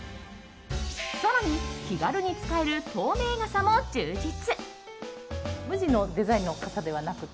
更に気軽に使える透明傘も充実。